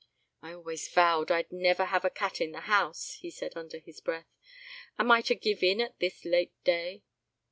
"I always vowed I'd never have a cat in the house," he said, under his breath; "am I to give in at this late day?